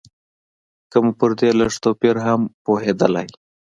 که موږ پر دې لږ توپیر هم پوهېدای.